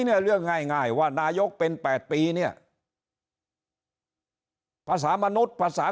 เนี่ยเรื่องง่ายง่ายว่านายกเป็น๘ปีเนี่ยภาษามนุษย์ภาษา